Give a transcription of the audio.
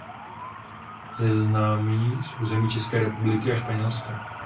Je známý z území České republiky a Španělska.